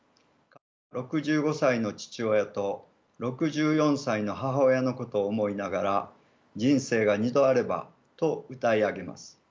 ６５歳の父親と６４歳の母親のことを思いながら「人生が二度あれば」と歌い上げます。